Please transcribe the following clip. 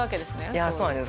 いやそうなんです。